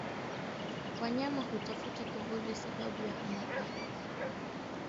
Wanyama hutafuta kivuli kwa sababu ya homa kali